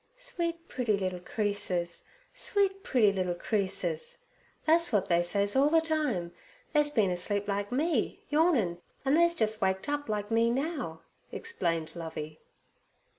'Sweet pretty little creasures, sweet pretty little creasures. Tha's wot they says all the time. They's been asleep like me,' yawning, 'and they's jus' waked up like me now,' explained Lovey.